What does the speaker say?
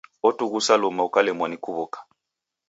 Otughusa luma ukalemwa ni kuw'uka.